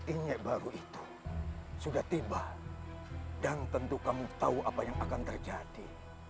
injek baru itu sudah tiba dan tentu kamu tahu apa yang akan terjadi